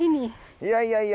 いやいやいや。